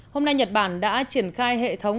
hôm nay nhật bản đã triển khai hệ thống